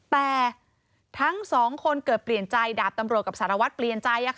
แต่ทั้งสองคนเกิดเปลี่ยนใจดาบตำรวจกับสารวัตรเปลี่ยนใจ